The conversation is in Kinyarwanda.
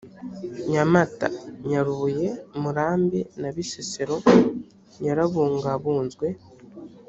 nyamata, nyarubuye, murambi na bisesero yarabungabunzwe